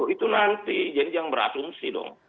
itu nanti jadi jangan berasumsi dong